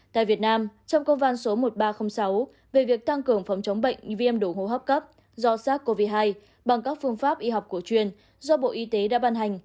tại việt nam trong công văn số một nghìn ba trăm linh sáu về việc tăng cường phòng chống bệnh viêm đường hô hấp cấp do sars cov hai bằng các phương pháp y học cổ truyền do bộ y tế đã ban hành